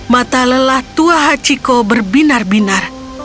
mata lelah tua hachiko berbinar binar